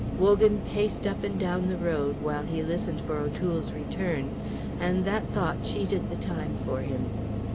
Wogan paced up and down the road, while he listened for O'Toole's return, and that thought cheated the time for him.